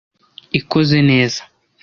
ikoze neza